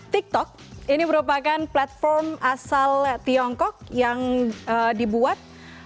tiktok ini merupakan platform asal tiongkok yang dibuat dua ribu enam belas